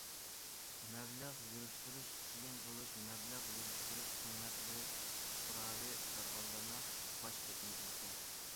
مەبلەغ يۈرۈشتۈرۈش قىيىن بولۇش، مەبلەغ يۈرۈشتۈرۈش قىممەت بولۇش پۇقراۋى كارخانىلارنىڭ باش قېتىنچىلىقى.